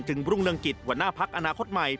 จึงบรุงเรียงกฤทธิ์หัวหน้าภักร์อนาคตใหม่